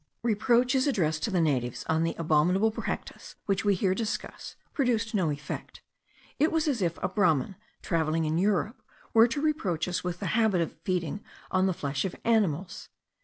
Reproaches addressed to the natives on the abominable practice which we here discuss, produce no effect; it is as if a Brahmin, travelling in Europe, were to reproach us with the habit of feeding on the flesh of animals.